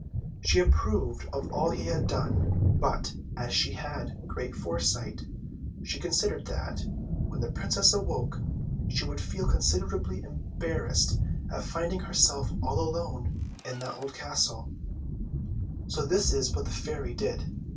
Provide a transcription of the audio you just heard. She approved of all he had done; but, as she had great foresight, she considered that, when the Princess awoke, she would feel considerably embarrassed at finding herself all alone in that old castle; so this is what the Fairy did.